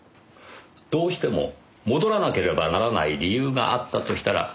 どうしても戻らなければならない理由があったとしたらどうでしょう？